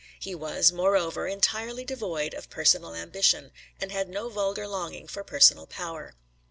He was, moreover, entirely devoid of personal ambition, and had no vulgar longing for personal power.